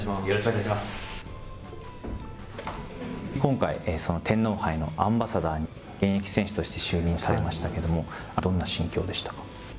今回、天皇杯のアンバサダーに現役選手として就任されましたけれども、どんな心境でしたか。